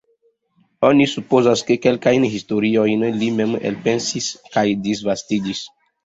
Oni supozas, ke kelkajn historiojn li mem elpensis kaj disvastigis.